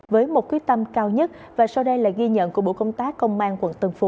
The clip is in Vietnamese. với một quyết tâm cao nhất và sau đây là ghi nhận của bộ công tác công an quận tân phú